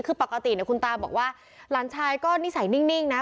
คือปกติคุณตาบอกว่าหลานชายก็นิสัยนิ่งนะ